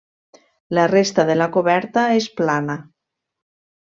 La resta de la coberta és plana.